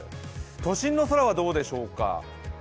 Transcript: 都心の空はどうでしょうか？